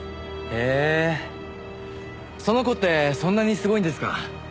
へえその子ってそんなにすごいんですか。